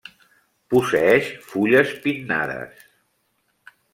Posseeix fulles pinnades.